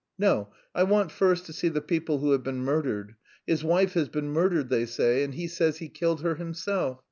No! I want first to see the people who have been murdered. His wife has been murdered they say, and he says he killed her himself.